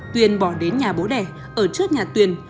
tuyên bỏ đến nhà bố đẻ ở trước nhà tuyền